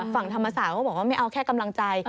ฝั่งธรรมศาสตร์ก็บอกว่าไม่เอาแค่กำลังใจ